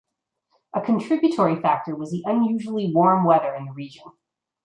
A contributory factor was unusually warm weather in the region.